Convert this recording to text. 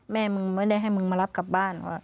แม่ไม่ได้ให้มารับกลับบ้าน